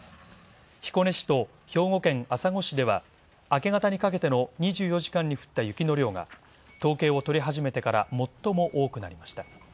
彦根市と兵庫県朝来市では、明け方にかけての２４時間に降った雪の量が、統計を取り始めてから最も多くなりました。